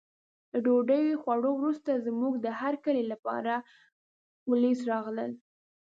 له ډوډۍ خوړو وروسته زموږ د هرکلي لپاره پولیس راغلل.